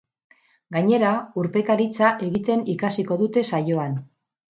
Gainera, urpekaritza egiten ikasiko dute saioan.